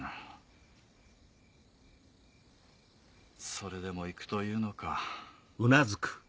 それでも行くというのか。